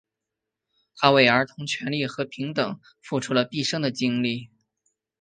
他为儿童权利和平等付出了毕生的精力。